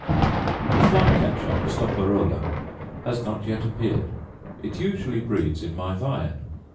The fly catcher (stoparola) has not yet appeared: it usually breeds in my vine.